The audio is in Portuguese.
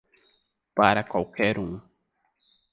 Para qualquer um